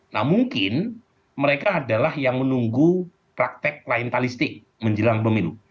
nah mungkin mereka adalah yang menunggu praktek raintalistik menjelang pemilu